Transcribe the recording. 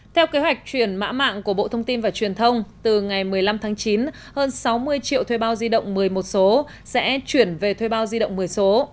theo kế hoạch chuyển mã mạng của bộ thông tin và truyền thông từ ngày một mươi năm tháng chín hơn sáu mươi triệu thuê bao di động một mươi một số sẽ chuyển về thuê bao di động một mươi số